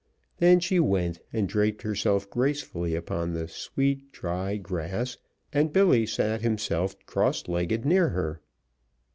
Then she went, and draped herself gracefully upon the sweet, dry grass, and Billy sat himself cross legged near her.